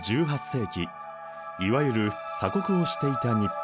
１８世紀いわゆる鎖国をしていた日本。